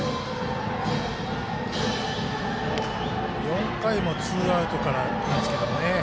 ４回もツーアウトからなんですけどね